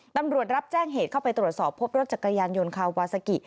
ตำรวจรับแจ้งเหตุเข้าไปตรวจสอบพบรถจักรยานยนต์คาวาซากิ